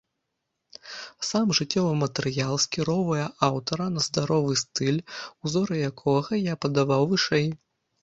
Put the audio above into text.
Сам жыццёвы матэрыял скіроўвае аўтара на здаровы стыль, узоры якога я падаваў вышэй.